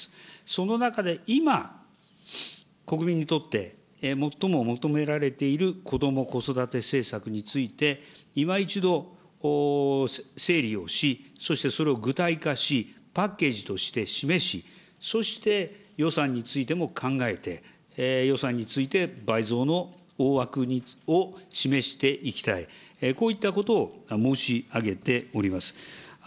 その中で今、国民にとって最も求められているこども・子育て政策について、いま一度、整理をし、そしてそれを具体化し、パッケージとして示し、そして予算についても考えて、予算について倍増の大枠を示していきたい、こういったことを申し上げております。